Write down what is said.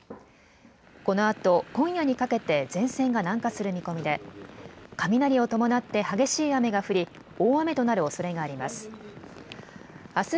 このあと今夜にかけて前線が南下する見込みで雷を伴って激しい雨が降り大雨となるおそれがあります。